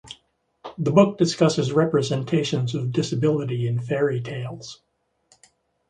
The book discusses representations of disability in fairy tales.